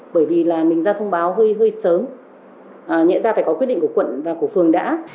bởi vì là mình ra thông báo hơi sớm nhẹ ra phải có quyết định của quận và của phường đã